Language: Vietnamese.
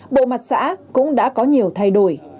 bộ mặt xã cũng đã có nhiều thay đổi